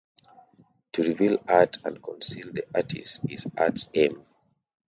To reveal art and conceal the artist is art's aim.